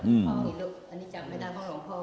อืม